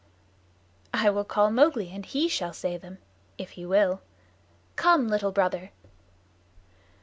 "I will call Mowgli and he shall say them if he will. Come, Little Brother!"